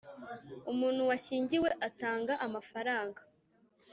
umuntu wishigiwe atanga amafaranga